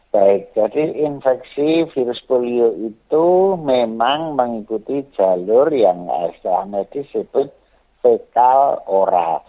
baik jadi infeksi virus polio itu memang mengikuti jalur yang asl medis sebut fekal oral